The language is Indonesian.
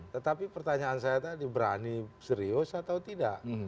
tetapi pertanyaan saya tadi berani serius atau tidak